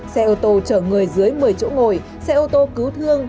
xe ô tô chở người dưới một mươi chỗ ngồi xe ô tô cứu thương